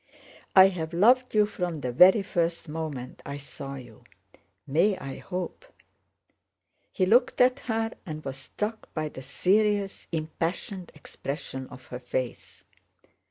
"I have loved you from the very first moment I saw you. May I hope?" He looked at her and was struck by the serious impassioned expression of her face.